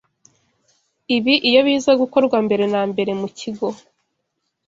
Ibi iyo biza gukorwa mbere na mbere mu kigo